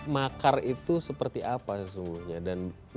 makar itu seperti apa sesungguhnya